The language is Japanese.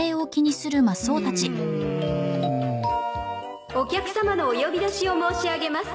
うん。お客さまのお呼び出しを申し上げます。